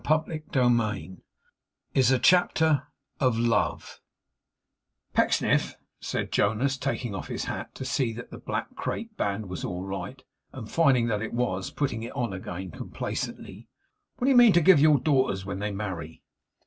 CHAPTER TWENTY IS A CHAPTER OF LOVE 'Pecksniff,' said Jonas, taking off his hat, to see that the black crape band was all right; and finding that it was, putting it on again, complacently; 'what do you mean to give your daughters when they marry?